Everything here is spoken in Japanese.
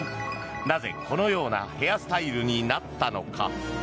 なぜ、このようなヘアスタイルになったのか。